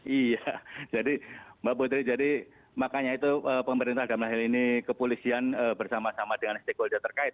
iya jadi mbak putri jadi makanya itu pemerintah dalam hal ini kepolisian bersama sama dengan stakeholder terkait